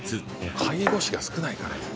介護士が少ないから。